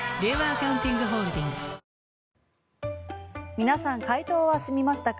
皆さん、解答は済みましたか？